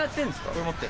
これ持って。